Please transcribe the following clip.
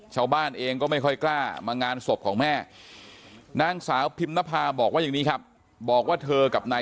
ชาวบ้านเองก็ไม่ค่อยกล้ามางานศพของแม่